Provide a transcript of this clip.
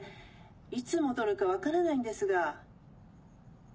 いつ戻るか分からないんですが。